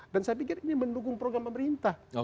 dan saya pikir ini mendukung program pemerintah